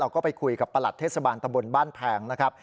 ก็ไปคุยกับประหลัดเทศบาลตะบนบ้านแพงนะครับ